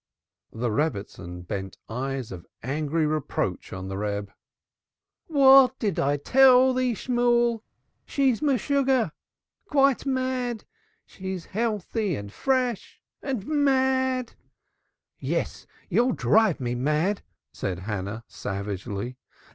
The Rebbitzin bent eyes of angry reproach on the Reb. "What did I tell thee, Shemuel? She's meshugga quite mad! Healthy and fresh and mad!" "Yes, you'll drive me mad," said Hannah savagely.